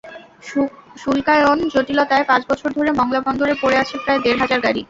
শুল্কায়ন জটিলতায় পাঁচ বছর ধরে মংলা বন্দরে পড়ে আছে প্রায় দেড় হাজার গাড়ি।